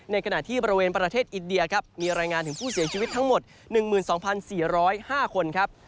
ขณะที่บริเวณประเทศอินเดียครับมีรายงานถึงผู้เสียชีวิตทั้งหมด๑๒๔๐๕คนครับ